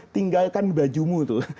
tinggalkan bajumu tuh